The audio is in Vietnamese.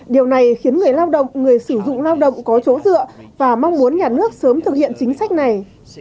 điều này khiến người lao động người sử dụng lao động có chỗ dựa và mong muốn nhà nước sớm thực hiện chính sách này